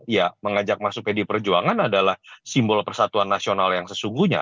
ya mengajak masuk pdi perjuangan adalah simbol persatuan nasional yang sesungguhnya